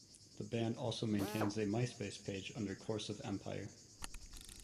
The band also maintains a Myspace page under "Course of Empire".